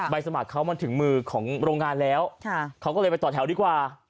สมัครเขามันถึงมือของโรงงานแล้วเขาก็เลยไปต่อแถวดีกว่า